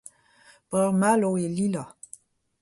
Breur Malo eo Lila.